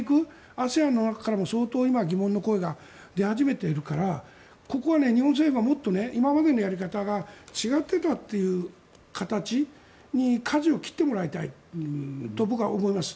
ＡＳＥＡＮの中からも相当今、疑問の声が出始めているからここは日本政府はもっと今までのやり方が違っていたという形にかじを切ってもらいたいと僕は思います。